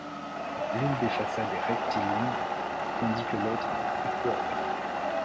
L'une des façades est rectiligne, tandis que l'autre est courbe.